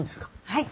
はい。